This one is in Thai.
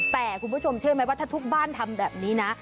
แต่คุณผู้ชมเชื่อไหมว่าถ้าทุกบ้านทำแบบนี้นะ